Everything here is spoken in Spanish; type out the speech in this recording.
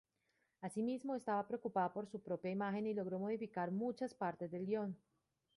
Asimismo, estaba preocupada por su propia imagen y logró modificar muchas partes del guion.